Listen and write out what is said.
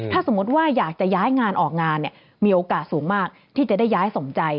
ถ้าสมมติว่าอยากจะย้ายงานออกงานเนี่ยมีโอกาสสูงมากที่จะได้ย้ายสมใจ